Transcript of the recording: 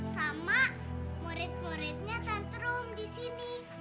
sama murid muridnya tentrum disini